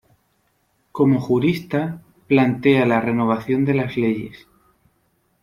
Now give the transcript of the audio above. Como jurista, plantea la renovación de las leyes.